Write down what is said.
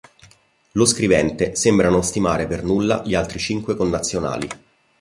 Lo scrivente sembra non stimare per nulla gli altri cinque connazionali.